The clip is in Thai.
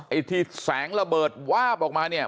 ไอ้ที่แสงระเบิดวาบออกมาเนี่ย